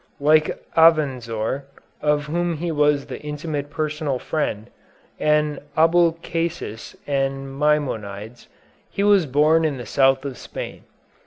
Like Avenzoar, of whom he was the intimate personal friend, and Abulcasis and Maimonides, he was born in the south of Spain.